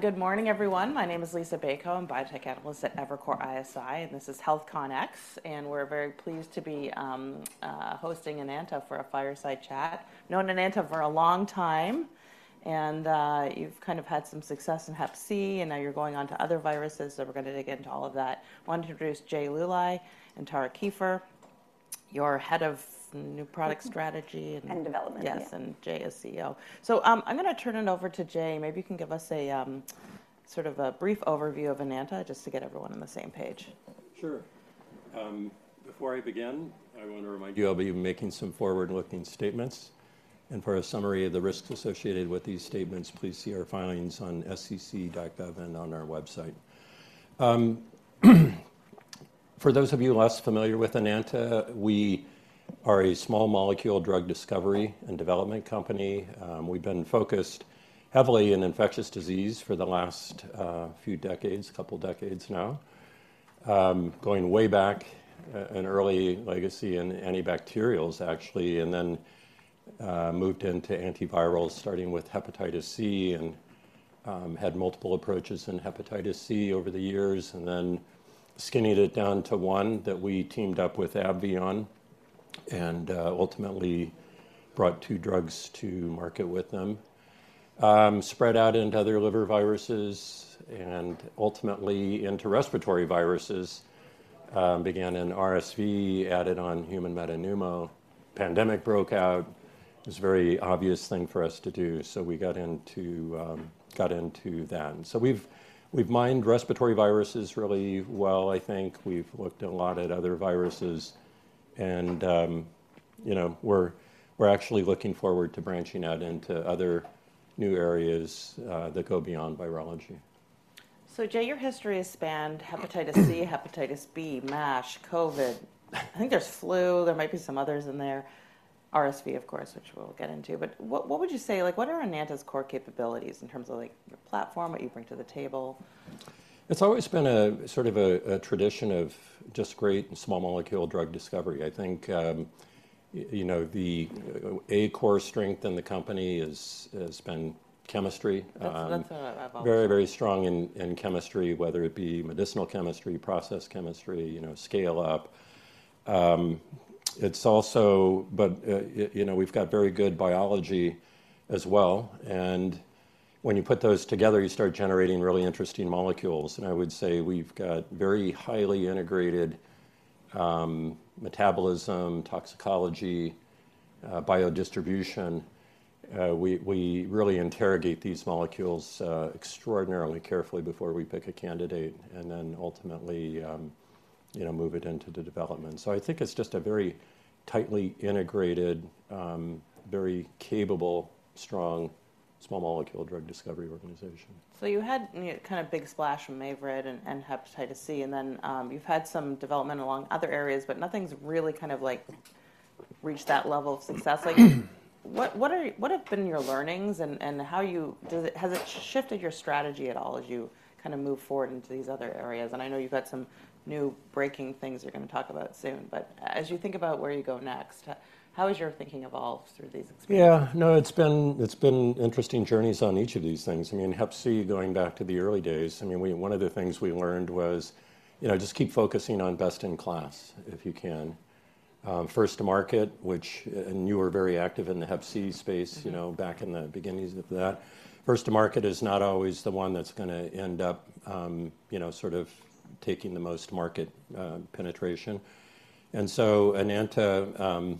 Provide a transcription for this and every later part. Good morning, everyone. My name is Liisa Bayko. I'm a biotech analyst at Evercore ISI, and this is HealthCONx, and we're very pleased to be hosting Enanta for a fireside chat. Known Enanta for a long time, and you've kind of had some success in hep C, and now you're going on to other viruses, so we're gonna dig into all of that. I want to introduce Jay Luly and Tara Kieffer. You're head of new product strategy and development. Yes, and Jay is CEO. So, I'm gonna turn it over to Jay. Maybe you can give us a sort of a brief overview of Enanta, just to get everyone on the same page. Sure. Before I begin, I want to remind you I'll be making some forward-looking statements, and for a summary of the risks associated with these statements, please see our filings on sec.gov and on our website. For those of you less familiar with Enanta, we are a small molecule drug discovery and development company. We've been focused heavily in infectious disease for the last, few decades, couple decades now. Going way back, an early legacy in antibacterials, actually, and then, moved into antivirals, starting with hepatitis C, and, had multiple approaches in hepatitis C over the years, and then skinnied it down to one that we teamed up with AbbVie on, and, ultimately brought two drugs to market with them. Spread out into other liver viruses and ultimately into respiratory viruses, began in RSV, added on human metapneumovirus. Pandemic broke out. It was a very obvious thing for us to do, so we got into that. So we've mined respiratory viruses really well, I think. We've looked a lot at other viruses and, you know, we're actually looking forward to branching out into other new areas that go beyond virology. So, Jay, your history has spanned hepatitis C, hepatitis B, MASH, COVID. I think there's flu, there might be some others in there. RSV, of course, which we'll get into. But what, what would you say? Like, what are Enanta's core capabilities in terms of, like, your platform, what you bring to the table? It's always been a sort of tradition of just great and small molecule drug discovery. I think, you know, the core strength in the company is, has been chemistry. That's, that's... Very, very strong in chemistry, whether it be medicinal chemistry, process chemistry, you know, scale up. It's also. But, you know, we've got very good biology as well, and when you put those together, you start generating really interesting molecules. And I would say we've got very highly integrated metabolism, toxicology, biodistribution. We really interrogate these molecules extraordinarily carefully before we pick a candidate and then ultimately, you know, move it into the development. So I think it's just a very tightly integrated, very capable, strong, small molecule drug discovery organization. So you had made a kind of big splash from MAVYRET and hepatitis C, and then, you've had some development along other areas, but nothing's really kind of like reached that level of success. Like, what have been your learnings, and how has it shifted your strategy at all as you kind of move forward into these other areas? And I know you've got some new breaking things you're gonna talk about soon, but as you think about where you go next, how has your thinking evolved through these experiences? Yeah. No, it's been interesting journeys on each of these things. I mean, Hep C, going back to the early days, I mean, we—one of the things we learned was, you know, just keep focusing on best-in-class, if you can. First to market, which, and you were very active in the Hep C space- Mm-hmm... you know, back in the beginnings of that. First to market is not always the one that's gonna end up, you know, sort of taking the most market penetration. And so Enanta,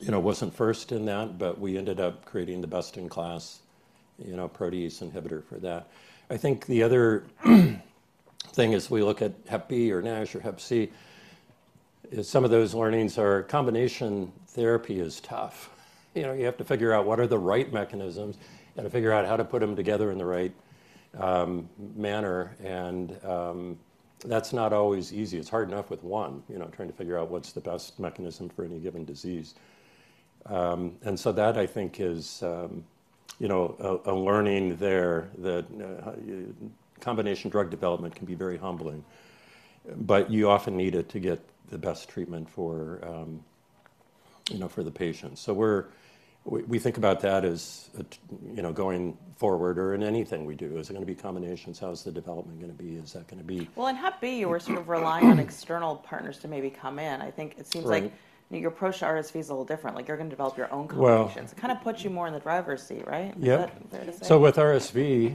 you know, wasn't first in that, but we ended up creating the best-in-class, you know, protease inhibitor for that. I think the other thing as we look at hep B, or NASH, or hep C, is some of those learnings are combination therapy is tough. You know, you have to figure out what are the right mechanisms and to figure out how to put them together in the right manner, and that's not always easy. It's hard enough with one, you know, trying to figure out what's the best mechanism for any given disease. And so that, I think, is, you know, a learning there, that combination drug development can be very humbling. But you often need it to get the best treatment for, you know, for the patient. So we think about that as you know, going forward or in anything we do. Is it gonna be combinations? How is the development gonna be? Is that gonna be- Well, in Hep B, you were sort of relying on external partners to maybe come in. I think it seems like- Right... your approach to RSV is a little different. Like, you're gonna develop your own combinations. Well- It kind of puts you more in the driver's seat, right? Yep. Is that fair to say? So with RSV,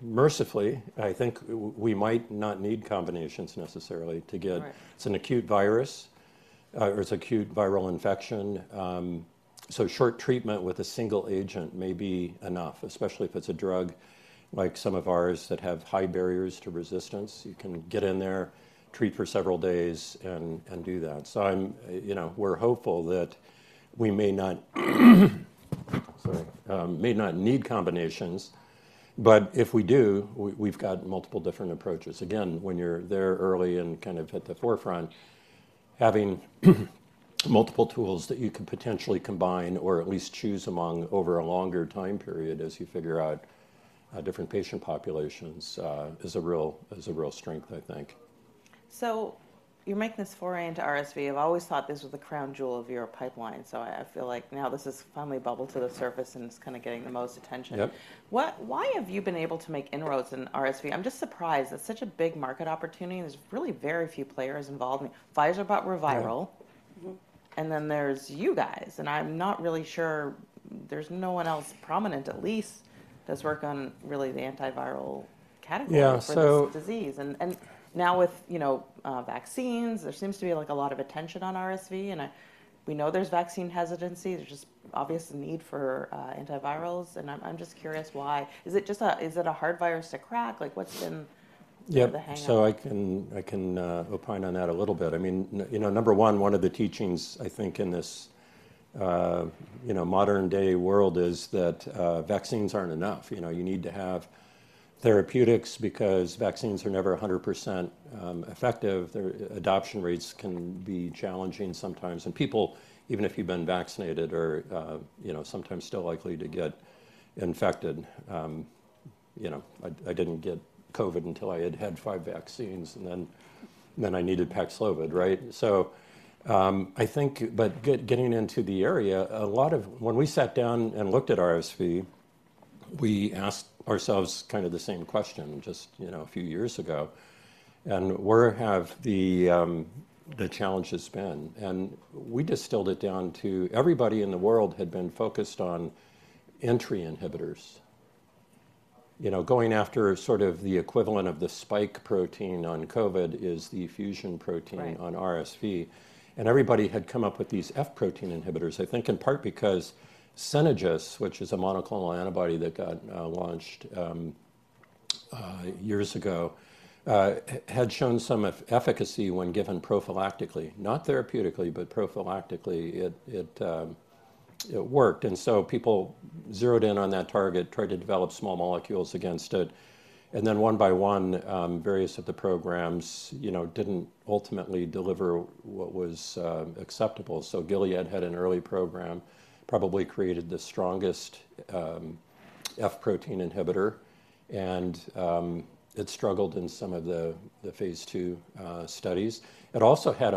mercifully, I think we might not need combinations necessarily to get- Right... It's an acute virus, or it's acute viral infection, so short treatment with a single agent may be enough, especially if it's a drug like some of ours that have high barriers to resistance. You can get in there, treat for several days, and, and do that. So I'm, you know, we're hopeful that we may not, sorry, may not need combinations, but if we do, we, we've got multiple different approaches. Again, when you're there early and kind of at the forefront, having multiple tools that you could potentially combine or at least choose among over a longer time period as you figure out, different patient populations, is a real, is a real strength, I think.... So you're making this foray into RSV. I've always thought this was the crown jewel of your pipeline, so I feel like now this has finally bubbled to the surface, and it's kinda getting the most attention. Yep. Why have you been able to make inroads in RSV? I'm just surprised. It's such a big market opportunity, there's really very few players involved. I mean, Pfizer bought ReViral. Yeah. Mm-hmm. And then there's you guys, and I'm not really sure there's no one else prominent at least, that's worked on really the antiviral category- Yeah, so- -for this disease. And now with, you know, vaccines, there seems to be, like, a lot of attention on RSV, and we know there's vaccine hesitancy. There's just obvious need for antivirals, and I'm just curious why. Is it just a hard virus to crack? Like, what's been- Yeah -the hang up? So I can opine on that a little bit. I mean, you know, number one, one of the teachings, I think, in this, you know, modern-day world is that, vaccines aren't enough. You know, you need to have therapeutics because vaccines are never 100%, effective. Their adoption rates can be challenging sometimes. And people, even if you've been vaccinated, are, you know, sometimes still likely to get infected. You know, I didn't get COVID until I had had 5 vaccines, and then I needed Paxlovid, right? So, I think. When we sat down and looked at RSV, we asked ourselves kind of the same question, just, you know, a few years ago, and where have the challenges been? We distilled it down to everybody in the world had been focused on entry inhibitors. You know, going after sort of the equivalent of the spike protein on COVID is the fusion protein. Right... on RSV, and everybody had come up with these F protein inhibitors. I think in part because Synagis, which is a monoclonal antibody that got launched years ago, had shown some efficacy when given prophylactically, not therapeutically, but prophylactically, it worked. And so people zeroed in on that target, tried to develop small molecules against it, and then one by one, various of the programs, you know, didn't ultimately deliver what was acceptable. So Gilead had an early program, probably created the strongest F protein inhibitor, and it struggled in some of the Phase II studies. It also had,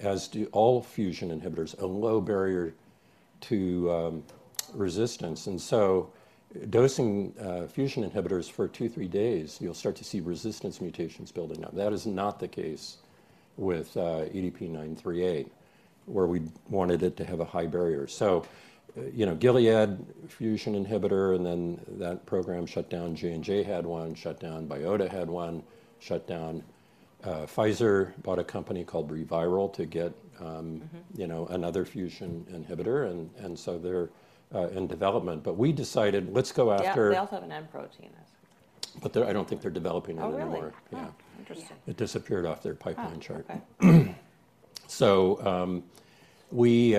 as do all fusion inhibitors, a low barrier to resistance. And so dosing fusion inhibitors for two, three days, you'll start to see resistance mutations building up. That is not the case with EDP-938, where we wanted it to have a high barrier. So, you know, Gilead fusion inhibitor, and then that program shut down. J&J had one, shut down. Biota had one, shut down. Pfizer bought a company called ReViral to get, Mm-hmm... you know, another fusion inhibitor, and so they're in development. But we decided, let's go after- Yeah, they also have an N protein. But I don't think they're developing that anymore. Oh, really? Yeah. Oh, interesting. Yeah. It disappeared off their pipeline chart. Oh, okay. So, we,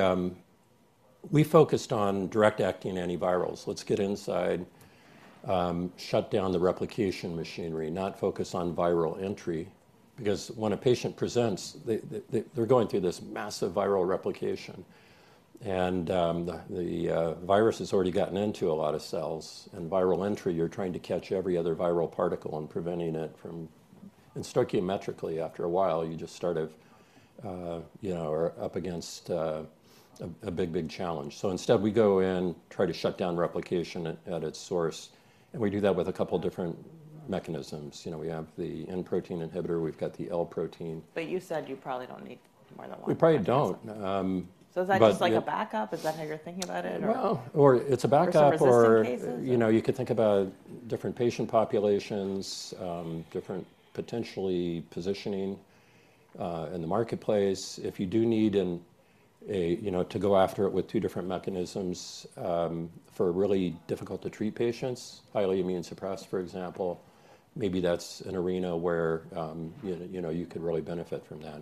we focused on direct-acting antivirals. Let's get inside, shut down the replication machinery, not focus on viral entry, because when a patient presents, they're going through this massive viral replication, and the virus has already gotten into a lot of cells, and viral entry, you're trying to catch every other viral particle and preventing it from... And stoichiometrically, after a while, you just sort of, you know, are up against, a, a big, big challenge. So instead, we go in, try to shut down replication at its source, and we do that with a couple different mechanisms. You know, we have the N protein inhibitor, we've got the L protein. But you said you probably don't need more than one. We probably don't, but- Is that just like a backup? Is that how you're thinking about it, or? Well, or it's a backup or- For some resistant cases.... you know, you could think about different patient populations, different potentially positioning in the marketplace. If you do need a, you know, to go after it with two different mechanisms for really difficult-to-treat patients, highly immunosuppressed, for example, maybe that's an arena where you know, you could really benefit from that.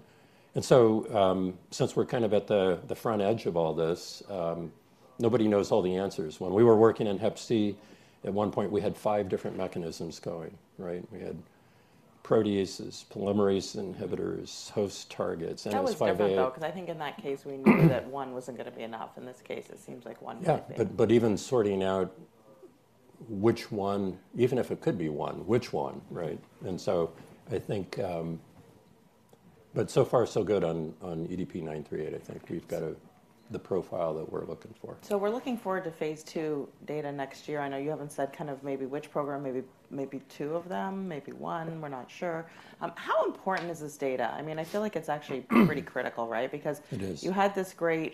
And so, since we're kind of at the front edge of all this, nobody knows all the answers. When we were working in hep C, at one point, we had five different mechanisms going, right? We had proteases, polymerase inhibitors, host targets, and then there's five. That was different, though, because I think in that case, we knew that one wasn't gonna be enough. In this case, it seems like one might be. Yeah, but even sorting out which one, even if it could be one, which one, right? And so I think. But so far, so good on EDP-938. Yeah. I think we've got the profile that we're looking for. So we're looking forward to Phase II data next year. I know you haven't said kind of maybe which program, maybe two of them, maybe one, we're not sure. How important is this data? I mean, I feel like it's actually pretty critical, right? Because- It is... you had this great,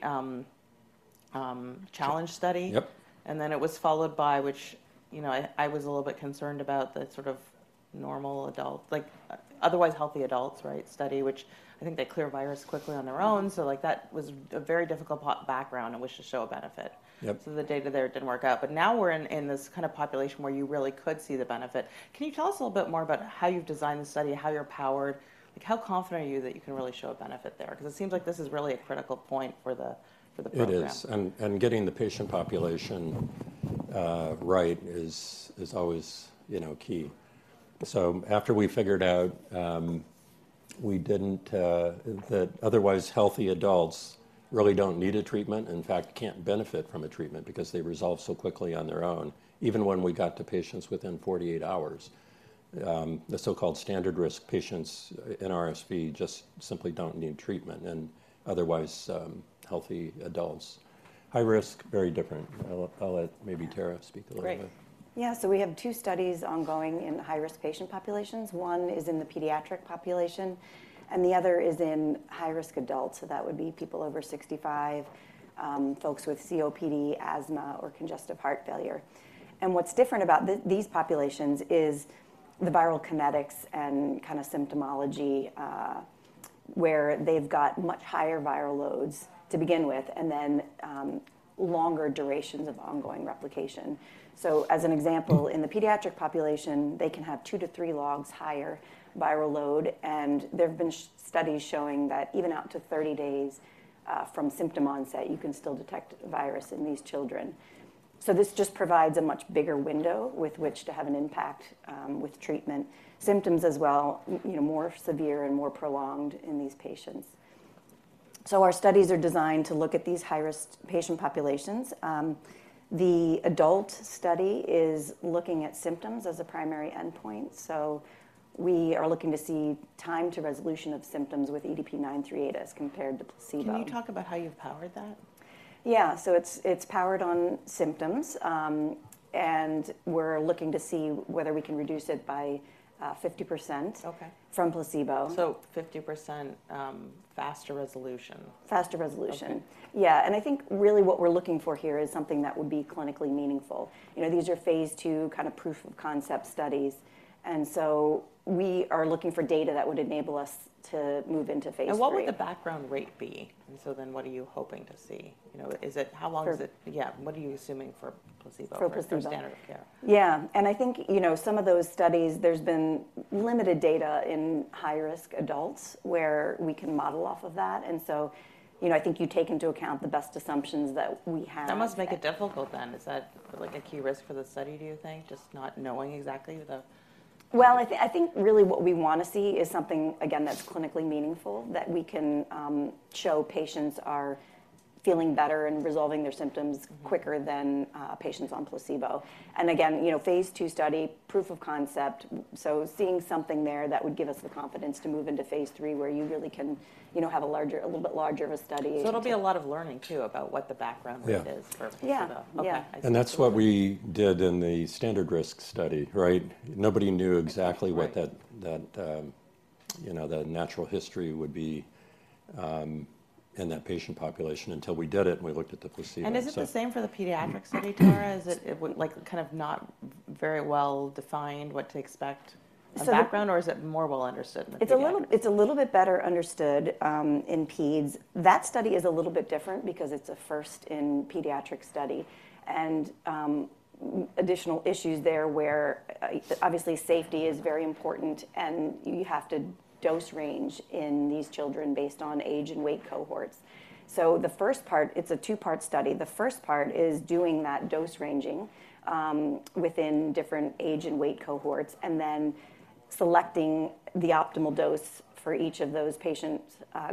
challenge study. Yep. Then it was followed by which, you know, I was a little bit concerned about the sort of normal adult, like, otherwise healthy adults, right, study, which I think they clear virus quickly on their own. So, like, that was a very difficult poor background in which to show a benefit. Yep. So the data there didn't work out, but now we're in this kind of population where you really could see the benefit. Can you tell us a little bit more about how you've designed the study, how you're powered? Like, how confident are you that you can really show a benefit there? Because it seems like this is really a critical point for the program. It is, and getting the patient population right is always, you know, key. So after we figured out, we didn't. That otherwise healthy adults really don't need a treatment, in fact, can't benefit from a treatment because they resolve so quickly on their own, even when we got to patients within 48 hours. The so-called standard risk patients in RSV just simply don't need treatment, and otherwise, healthy adults. High risk, very different. I'll let maybe Tara speak a little bit. Great. Yeah, so we have two studies ongoing in high-risk patient populations. One is in the pediatric population, and the other is in high-risk adults, so that would be people over 65, folks with COPD, asthma, or congestive heart failure. And what's different about these populations is the viral kinetics and kind of symptomatology, where they've got much higher viral loads to begin with, and then, longer durations of ongoing replication. So as an example, in the pediatric population, they can have two to three logs higher viral load, and there have been studies showing that even out to 30 days, from symptom onset, you can still detect the virus in these children. So this just provides a much bigger window with which to have an impact, with treatment. Symptoms as well, you know, more severe and more prolonged in these patients. Our studies are designed to look at these high-risk patient populations. The adult study is looking at symptoms as a primary endpoint, so we are looking to see time to resolution of symptoms with EDP-938 as compared to placebo. Can you talk about how you've powered that? Yeah, so it's powered on symptoms, and we're looking to see whether we can reduce it by 50%. Okay... from placebo. 50% faster resolution? Faster resolution. Okay. Yeah, and I think really what we're looking for here is something that would be clinically meaningful. You know, these are Phase II kind of proof of concept studies, and so we are looking for data that would enable us to move into Phase III. What would the background rate be? So then what are you hoping to see? You know, how long is it? For- Yeah, what are you assuming for placebo- For placebo... or standard of care? Yeah. I think, you know, some of those studies, there's been limited data in high-risk adults where we can model off of that, and so, you know, I think you take into account the best assumptions that we have. That must make it difficult then. Is that, like, a key risk for the study, do you think, just not knowing exactly the- Well, I think really what we want to see is something, again, that's clinically meaningful, that we can show patients are feeling better and resolving their symptoms quicker than patients on placebo. Again, you know, Phase II study, proof of concept, so seeing something there that would give us the confidence to move into Phase III, where you really can, you know, have a larger, a little bit larger of a study. It'll be a lot of learning, too, about what the background rate is... Yeah... for placebo. Yeah. Okay. Yeah. That's what we did in the standard risk study, right? Nobody knew exactly what- Right... you know, the natural history would be in that patient population until we did it, and we looked at the placebo, so- Is it the same for the pediatric study, Tara? Is it, it like, kind of not very well defined what to expect- So the-... the background, or is it more well understood than the adult? It's a little bit better understood in peds. That study is a little bit different because it's a first-in-pediatric study, and additional issues there where, obviously, safety is very important, and you have to dose range in these children based on age and weight cohorts. So the first part. It's a two-part study. The first part is doing that dose ranging within different age and weight cohorts, and then selecting the optimal dose for each of those patient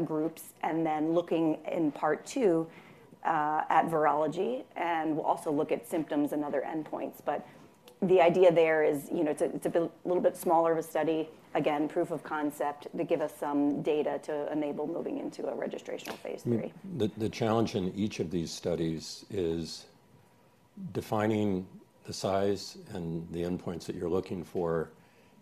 groups, and then looking in part two at virology, and we'll also look at symptoms and other endpoints. But the idea there is, you know, it's a little bit smaller of a study, again, proof of concept, to give us some data to enable moving into a registrational Phase III. The challenge in each of these studies is defining the size and the endpoints that you're looking for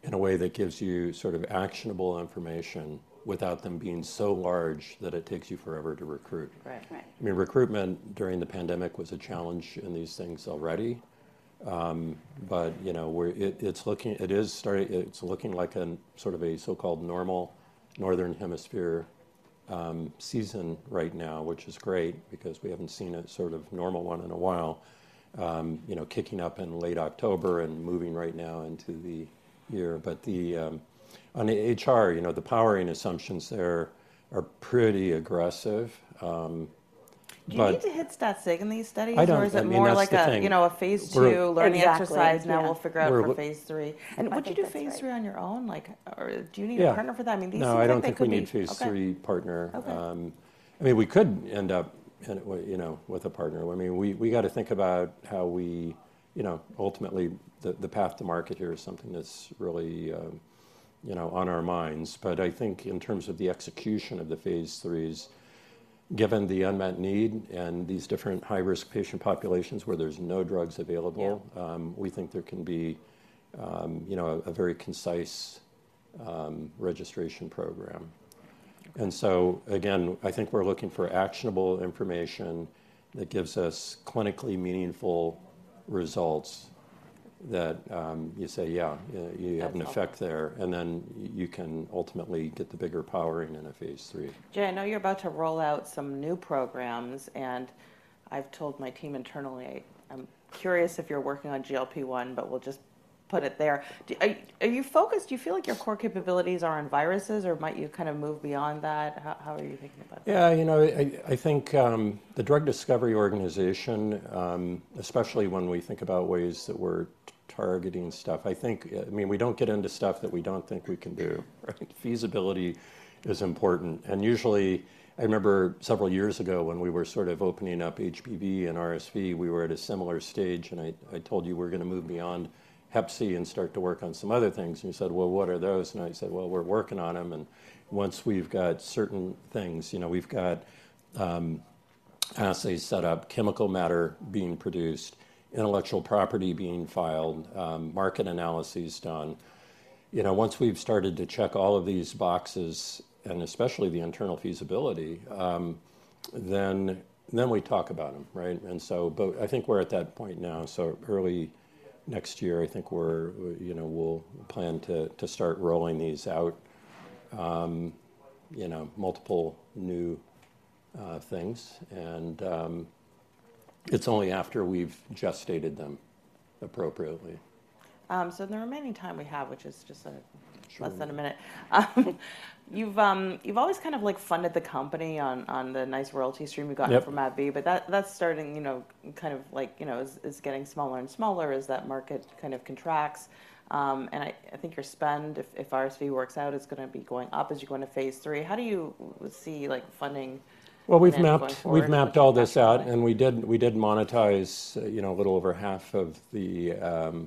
in a way that gives you sort of actionable information without them being so large that it takes you forever to recruit. Right. Right. I mean, recruitment during the pandemic was a challenge in these things already. But, you know, it's looking like a sort of so-called normal Northern Hemisphere season right now, which is great because we haven't seen a sort of normal one in a while, you know, kicking up in late October and moving right now into the year. But the, on the HR, you know, the powering assumptions there are pretty aggressive, but- Do you need to hit stat sig in these studies? I don't. I mean, that's the thing- Or is it more like a, you know, a Phase II- We're- Exactly... learning exercise, and now we'll figure out for Phase III. I think that's right. Would you do Phase III on your own? Like, or do you need a partner for that? Yeah. I mean, these seem like they could be- No, I don't think we need- Okay... Phase III partner. Okay. I mean, we could end up in, well, you know, with a partner. I mean, we gotta think about how we, you know, ultimately, the path to market here is something that's really, you know, on our minds. But I think in terms of the execution of the Phase IIIs, given the unmet need and these different high-risk patient populations where there's no drugs available- Yeah... we think there can be, you know, a very concise, registration program. And so, again, I think we're looking for actionable information that gives us clinically meaningful results that, you say, "Yeah, yeah, you have an effect there. Absolutely. And then you can ultimately get the bigger powering in a Phase III. Jay, I know you're about to roll out some new programs, and I've told my team internally. I'm curious if you're working on GLP-1, but we'll just put it there. Are you focused, do you feel like your core capabilities are on viruses, or might you kind of move beyond that? How are you thinking about that? Yeah, you know, I think, the drug discovery organization, especially when we think about ways that we're targeting stuff, I think... I mean, we don't get into stuff that we don't think we can do, right? Feasibility is important. And usually, I remember several years ago when we were sort of opening up HBV and RSV, we were at a similar stage, and I told you we're gonna move beyond hep C and start to work on some other things. And you said: "Well, what are those?" And I said, "Well, we're working on them, and once we've got certain things, you know, we've got, assays set up, chemical matter being produced, intellectual property being filed, market analyses done." You know, once we've started to check all of these boxes, and especially the internal feasibility, then we talk about them, right? But I think we're at that point now, so early next year, I think we're, you know, we'll plan to start rolling these out, you know, multiple new things. It's only after we've gestated them appropriately. The remaining time we have, which is just, Sure... less than a minute. You've always kind of like funded the company on the nice royalty stream you've gotten- Yep... from AbbVie, but that, that's starting, you know, kind of like, you know, it's getting smaller and smaller as that market kind of contracts. And I think your spend, if RSV works out, is gonna be going up as you go into Phase III. How do you see, like, funding- Well, we've mapped-... going forward? We've mapped all this out, and we did, we did monetize, you know, a little over half of the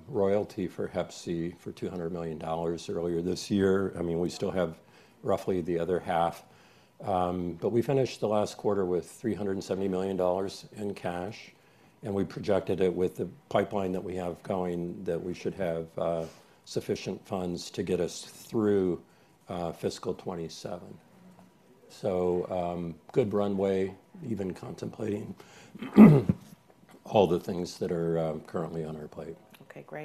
royalty for hep C for $200 million earlier this year. I mean, we still have roughly the other half. But we finished the last quarter with $370 million in cash, and we projected it with the pipeline that we have going, that we should have sufficient funds to get us through fiscal 2027. So, good runway, even contemplating all the things that are currently on our plate. Okay, great.